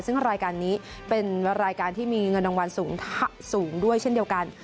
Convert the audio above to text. ซึ่งรายการนี้เป็นรายการที่มีเงินรางวัลสูงด้วยเช่นเดียวกัน